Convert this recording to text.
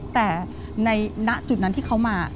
แต่ในณจุดนั้นที่เขามา